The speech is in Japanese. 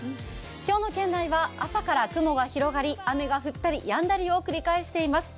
今日の県内は朝から雲が広がり雨が降ったりやんだりを繰り返しています。